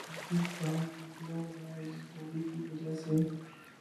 مسافر کار منڈیوں میں کمزوری کی وجہ سے